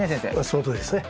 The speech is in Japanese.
そのとおりですね。